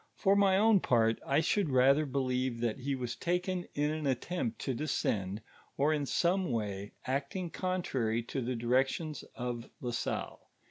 For my own part; I should rather believe that he was taken in an attempt to descend, or in some way acting contrary to the directions of La Salle.